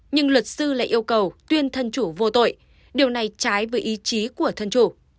nhưng luật sư lại yêu cầu tuyên thân chủ vô tội điều này trái với ý chí của thân chủ